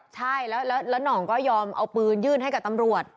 ใช่แล้วหน่องก็ยอมเอาปืนยื่นให้กับตำรวจ